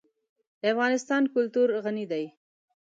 د افغانستان کلتور غني دی.